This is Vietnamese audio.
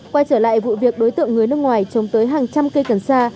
quay trở lại vụ việc đối tượng người nước ngoài trồng tới hàng trăm cây cẩn xa